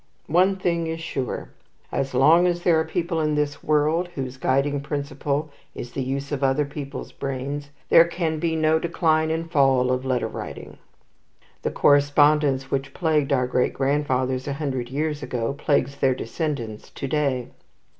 One thing is sure. As long as there are people in this world whose guiding principle is the use of other people's brains, there can be no decline and fall of letter writing. The correspondence which plagued our great grandfathers a hundred years ago, plagues their descendants to day.